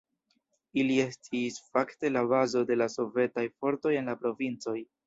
Ili estis fakte la bazo de la sovetaj fortoj en la provincoj.